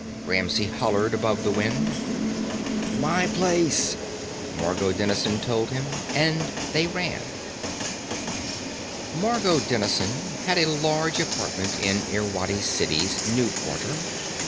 Ramsey hollered above the wind. "My place," Margot Dennison told him, and they ran. Margot Dennison had a large apartment in Irwadi City's New Quarter.